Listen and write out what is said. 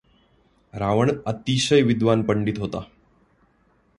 रावण अतिशय विद्वान पंडित होता.